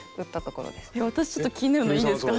私ちょっと気になるのいいですか。